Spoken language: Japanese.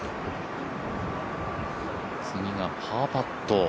次がパーパット。